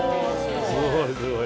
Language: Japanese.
すごいすごい。